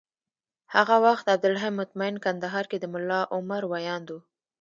هغه وخت عبدالحی مطمین کندهار کي د ملا عمر ویاند و